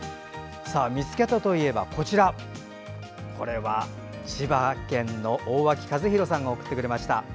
見つけたといえば、こちら千葉県の大脇一寛さんが送ってくれました。